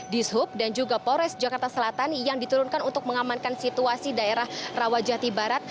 di sub dan juga polres jakarta selatan yang diturunkan untuk mengamankan situasi daerah rawajati barat